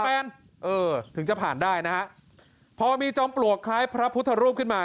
แปลมถึงจะผ่านได้ครับพอมีจำปลวกข้ายพระพุทธรูปขึ้นมา